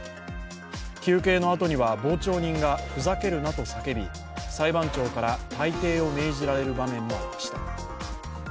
求刑のあとには、傍聴人がふざけるなと叫び裁判長から退廷を命じられる場面がありました